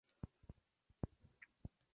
Ambos sencillos comparten la misma foto.